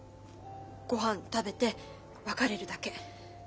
ごはん食べて別れるだけ。